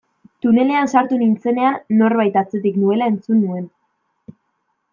Tunelean sartu nintzenean norbait atzetik nuela entzun nuen.